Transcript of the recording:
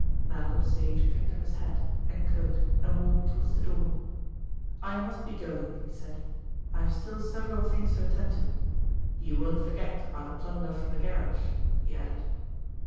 Malcolm Sage picked up his hat and coat and walked towards the door. "I must be going," he said. "I have still several things to attend to. You won't forget about the plunder from the garage?" he added.